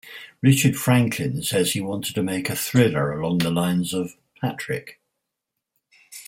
Richard Franklin says he wanted to make a thriller along the lines of "Patrick".